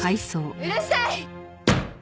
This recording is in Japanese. うるさい！